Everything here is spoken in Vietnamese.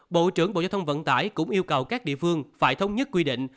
bộ trưởng bộ giao thông vận tải cũng yêu cầu các địa phương phải thống nhất quy định